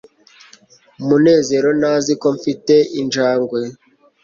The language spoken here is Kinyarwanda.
munezero ntazi ko mfite injangwe